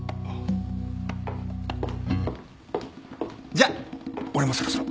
じゃあ俺もそろそろ。